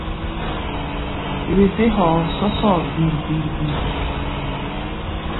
Wesé hɔɔ sɔ́sɔ́ɔ bir-bir-bir.